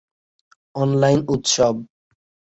online উৎস